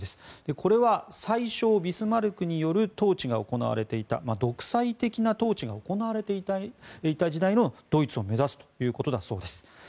これは宰相、ビスマルクによる統治が行われていた独裁的な統治が行われていた時代のドイツを目指すということです。